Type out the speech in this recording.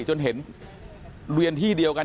จนเห็นเรียนที่เดียวกัน